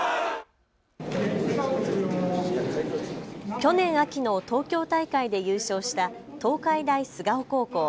去年秋の東京大会で優勝した東海大菅生高校。